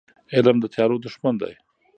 علم د تیارو دښمن دی.